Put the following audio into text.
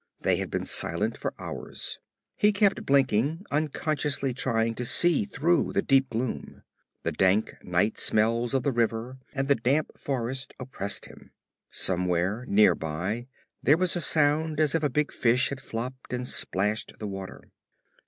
They had been silent for hours. He kept blinking, unconsciously trying to see through the deep gloom. The dank night smells of the river and the damp forest oppressed him. Somewhere, near by, there was a sound as if a big fish had flopped and splashed the water.